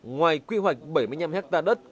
ngoài quy hoạch bảy mươi năm ha đất